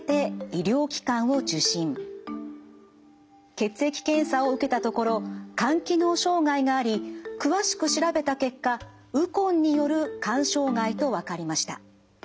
血液検査を受けたところ肝機能障害があり詳しく調べた結果ウコンによる肝障害と分かりました。